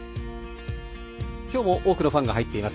今日も多くのファンが入っています。